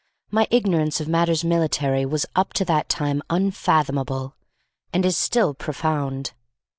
My ignorance of matters military was up to that time unfathomable, and is still profound.